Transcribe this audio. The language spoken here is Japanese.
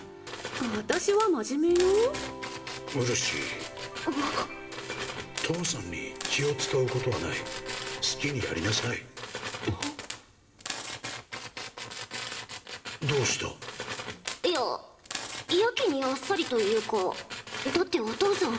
私は真面目ようるし父さんに気を使うことはない好きにやりなさいどうしたいややけにあっさりというかだってお父さん